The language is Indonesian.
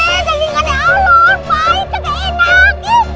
tolong jangan pergi